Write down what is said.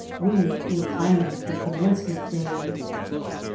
We were planning for Commence ment Day.